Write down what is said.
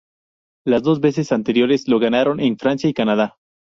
Las dos veces anteriores lo ganaron en Francia y Canadá.